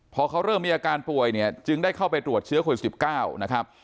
พอเขาเริ่มมีอาการป่วยเนี่ยจึงได้เข้าไปตรวจเชื้อโควิด๑๙นะครับ